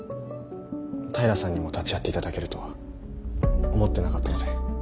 平さんにも立ち会っていただけるとは思ってなかったので。